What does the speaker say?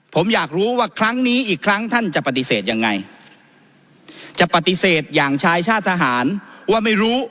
ผมอยากรู้ว่าครั้งนี้อีกครั้งท่านจะปฏิเสธยังไงจะปฏิเสธอย่างชายชาติทหารว่าไม่รู้